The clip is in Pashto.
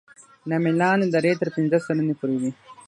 دا میلان د درې تر پنځه سلنې پورې وي